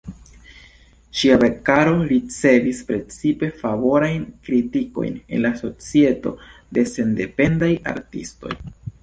Ŝia verkaro ricevis precipe favorajn kritikojn en la Societo de Sendependaj Artistoj.